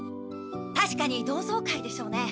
たしかに同窓会でしょうね。